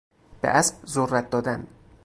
به اسب ذرت دادن